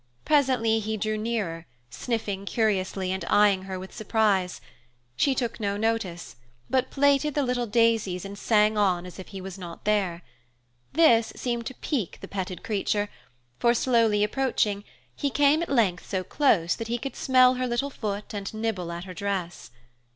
Presently he drew nearer, sniffing curiously and eyeing her with surprise. She took no notice, but plaited the daisies and sang on as if he was not there. This seemed to pique the petted creature, for, slowly approaching, he came at length so close that he could smell her little foot and nibble at her dress.